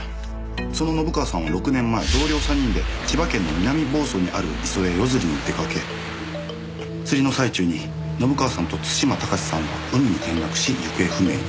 「その信川さんは６年前同僚３人で千葉県の南房総にある磯へ夜釣りに出かけ」「釣りの最中に信川さんと津島崇さんが海に転落し行方不明に」